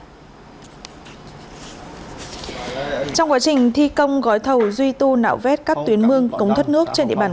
trong quá trình thi công gói thầu duy tu nạo vét các tuyến mương cống thuất nước trên địa bàn